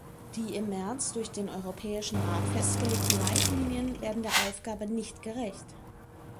Die im März durch den Europäischen Rat festgelegten Leitlinien werden der Aufgabe nicht gerecht.